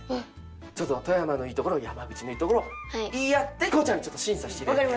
ちょっと富山のいいところ山口のいいところを言い合ってヒコちゃんにちょっと審査して頂いて。